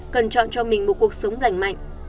cần chọn cho mình một cuộc sống lành mạnh